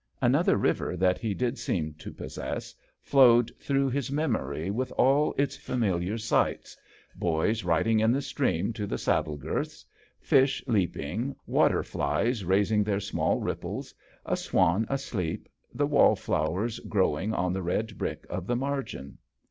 Another river that he .did seem to possess flowed JOHN SHERMAN. through his memory with all its familiar sights boys riding in the stream to the saddle girths,. fish leaping, water flies raising their small ripples, a swan asleep, the wallflowers growing on the red brick of the margin.